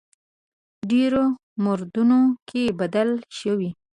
ډېرو موردونو کې بدل شوی.